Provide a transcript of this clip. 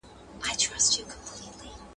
ولي مورنۍ ژبه د زده کړې ستونزې کموي؟